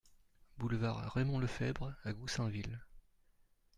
Boulevard Raymond Lefevre à Goussainville